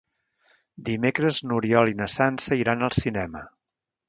Dimecres n'Oriol i na Sança iran al cinema.